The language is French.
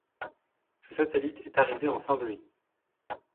Ce satellite est arrivé en fin de vie.